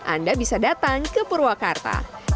anda bisa datang ke purwakarta